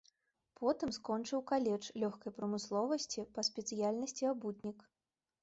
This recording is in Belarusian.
Потым скончыў каледж лёгкай прамысловасці па спецыяльнасці абутнік.